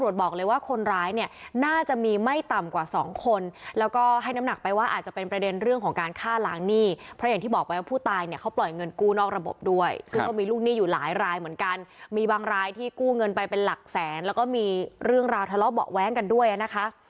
ด้วยซึ่งเขามีลูกหนี้อยู่หลายรายเหมือนกันมีบางรายที่กู้เงินไปเป็นหลักแสนแล้วก็มีเรื่องราวทะเลาะเบาะแว้งกันด้วยนะคะ